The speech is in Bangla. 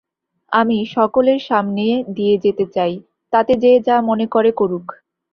আমি সকলের সামনে দিয়ে যেতে চাই, তাতে যে যা মনে করে করুক।